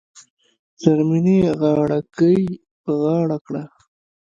زرمینې غاړه ګۍ په غاړه کړه .